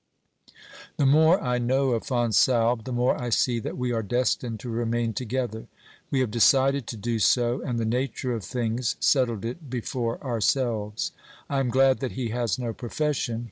The more I know of Fonsalbe, the more I see that we are destined to remain together. We have decided to do so, and the nature of things settled it before ourselves. I am glad that he has no profession.